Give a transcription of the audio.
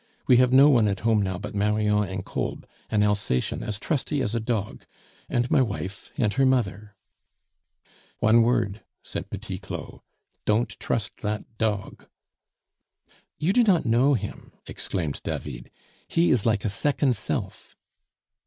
We have no one at home now but Marion and Kolb, an Alsacien as trusty as a dog, and my wife and her mother " "One word," said Petit Claud, "don't trust that dog " "You do not know him," exclaimed David; "he is like a second self."